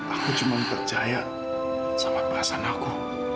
aku cuma percaya sama perasaan aku